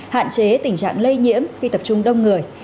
hạn chế tình trạng lây nhiễm khi tập trung đông người